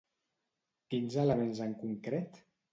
Quins elements en concret?